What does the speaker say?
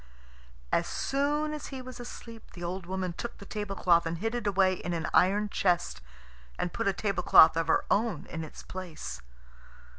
As soon as he was asleep the old woman took the tablecloth and hid it away in an iron chest, and put a tablecloth of her own in its place.